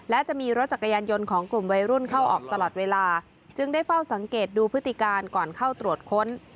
และจะมีรถจักรยานยนต์ของกลุ่มวัยรุ่นเข้าออกตลอดเวลาจึงได้เฝ้าสังเกตดูพฤติการก่อนเข้าตรวจค้น